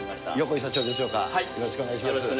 よろしくお願いします。